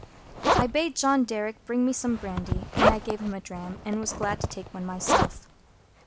I bade John Derrick bring some brandy, and I gave him a dram, and was glad to take one myself.